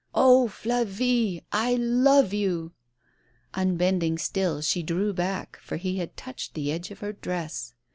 " Oh, Flavie, I love you 1 " Unbending still, she drew back, for he had touched the edge of her dress.